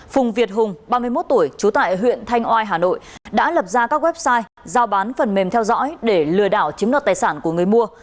phùng việt hùng ba mươi một tuổi trú tại huyện thanh oai hà nội đã lập ra các website giao bán phần mềm theo dõi để lừa đảo chiếm đoạt tài sản của người mua